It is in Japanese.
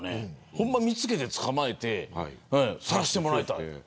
ほんまに見つけて捕まえてさらしてもらいたい。